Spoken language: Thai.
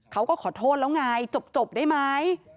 เขาก็ขอโทษแล้วไงจบได้ไหม